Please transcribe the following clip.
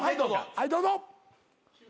はいどうぞ。